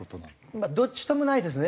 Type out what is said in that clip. まあどっちともないですね。